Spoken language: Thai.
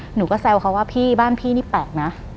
หนูก็แซวเขาว่าพี่บ้านพี่นี่แปลกนะ